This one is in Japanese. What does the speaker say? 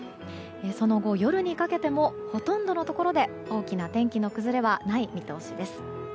その後、夜にかけてもほとんどのところで大きな天気の崩れはない見通しです。